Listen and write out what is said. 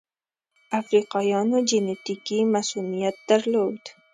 افریقایانو جنټیکي مصوونیت درلود.